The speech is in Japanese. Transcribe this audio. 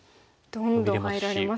どんどん入られますね。